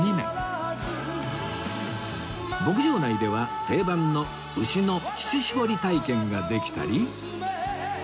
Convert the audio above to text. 牧場内では定番の牛の乳しぼり体験ができたり